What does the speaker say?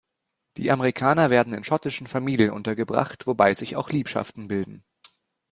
Die Amerikaner werden in schottischen Familien untergebracht, wobei sich auch Liebschaften bilden.